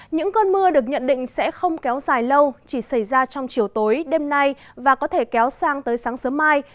những cơn mưa được nhận định sẽ không kéo dài lâu chỉ xảy ra trong chiều tối đêm nay và có thể kéo sang tới sáng sớm mai